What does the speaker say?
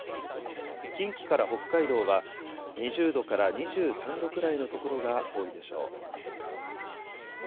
近畿から北海道は２０度から２３度くらいの所が多いでしょう。